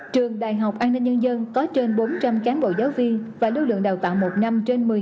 trường đại học an ninh nhân dân có trên bốn trăm linh cán bộ giáo viên và lưu lượng đào tạo một năm trên một mươi